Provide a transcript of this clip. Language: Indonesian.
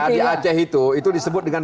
nah di aceh itu itu disebut dengan